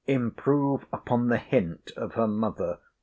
Improve upon the hint of her mother.